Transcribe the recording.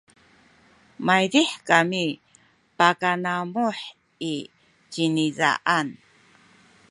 maydih kami pakanamuh i cinizaan